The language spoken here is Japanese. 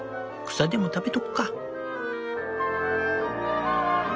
草でも食べとくか。